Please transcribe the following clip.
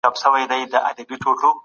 کمپيوټر کيسې خپروي.